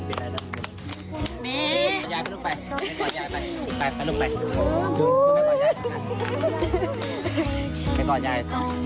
พายอยากก่อนยาย